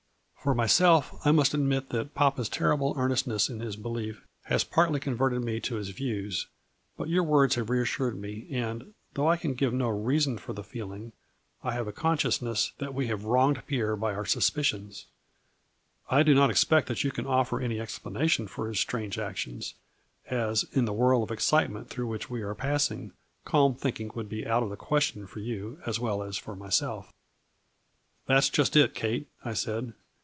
For myself, I must admit that papa's terrible earnestness in his be lief had partly converted me to his views, but your words have reassured me and, though I can give no reason for the feeling, I have a con sciousness that we have wronged Pierre by our suspicions. I do not expect that you can offer A FLURRY IN DIAMONDS. 131 any explanation for his strange actions, as, in the whirl of excitement through which we are passing, calm thinking would be out of the question for you, as well as myself." " That 's just it, Kate," I said.